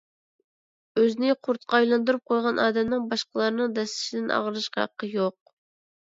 ئۆزىنى قۇرتقا ئايلاندۇرۇپ قويغان ئادەمنىڭ باشقىلارنىڭ دەسسىشىدىن ئاغرىنىشقا ھەققى يوق.